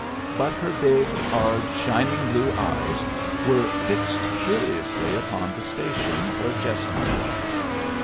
But her big, hard shining blue eyes were fixed curiously upon the station where Jessamine was.